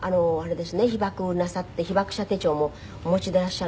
被爆をなさって被爆者手帳もお持ちでいらっしゃる。